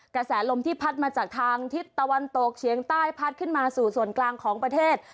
กระแสลมที่พัดมาจากทางทิศตะวันตกเฉียงใต้พัดขึ้นมาสู่ส่วนกลางของประเทศ